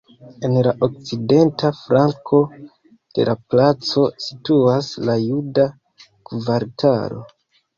En la okcidenta flanko de la placo situas la juda kvartalo.